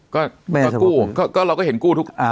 ก็มากู้ก็เราก็เห็นกู้ทุก